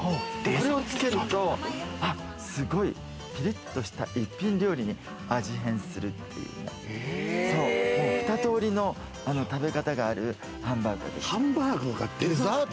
これをつけるとピリッとした一品料理に味変するっていう２通りの食べ方があるハンバーグができちゃう。